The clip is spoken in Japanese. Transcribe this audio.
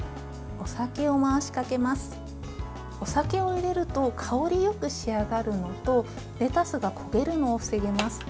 お酒を入れると香りよく仕上がるのとレタスが焦げるのを防ぎます。